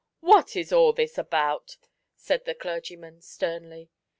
" What is all this about ?" said the clergyman, sternly.